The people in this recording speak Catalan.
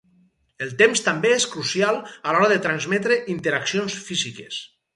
El temps també és crucial a l'hora de transmetre interaccions físiques.